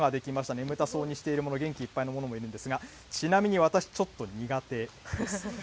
眠たそうにしているもの、元気いっぱいのものもいるんですが、ちなみに私ちょっと苦手です。